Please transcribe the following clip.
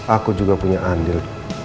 aku juga punya andil